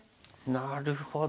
なるほど。